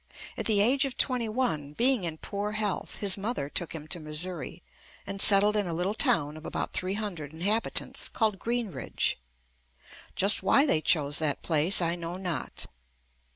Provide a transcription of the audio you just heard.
At the age of twenty one, being in poor health, his mother took him to Missouri and settled in a little town of about three hundred inhabitants, called JUST ME Greenridge. Just why they chose that place I know not.